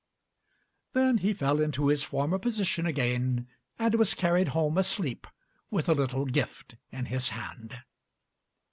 Then he fell into his former position again, and was carried home asleep with a little gift in his hand."